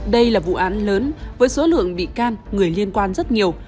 đây là vụ án lớn với số lượng bị can người liên quan rất nhiều